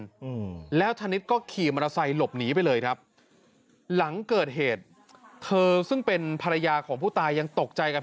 อืมแล้วธนิดก็ขี่มอเตอร์ไซค์หลบหนีไปเลยครับหลังเกิดเหตุเธอซึ่งเป็นภรรยาของผู้ตายยังตกใจกับ